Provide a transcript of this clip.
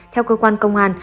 theo cơ quan công an